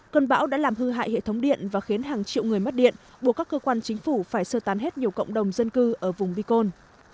cơn bão đã làm hư hại hệ thống điện và khiến hàng triệu người mất điện buộc các cơ quan chính phủ phải sơ tán hết nhiều cộng đồng dân cư ở vùng bicon